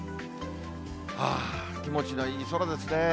ああ、気持ちのいい空ですね。